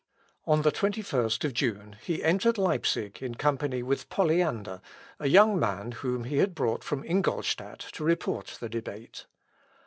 On the 21st June he entered Leipsic in company with Poliander, a young man whom he had brought from Ingolstadt to report the debate.